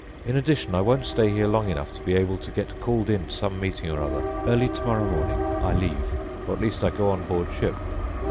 In addition, I won't stay here long enough to be able to get called in to some meeting or other. Early tomorrow morning I leave, or at least I go on board ship."